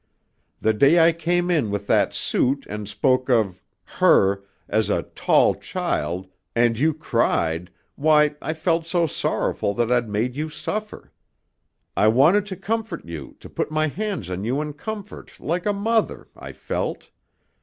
The day I came in with that suit and spoke of her as a 'tall child' and you cried, why, I felt so sorrowful that I'd made you suffer. I wanted to comfort you, to put my hands on you in comfort, like a mother, I felt.